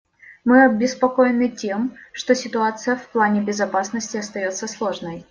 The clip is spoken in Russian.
Мы обеспокоены тем, что ситуация в плане безопасности остается сложной.